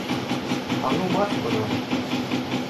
А ну марш мынан!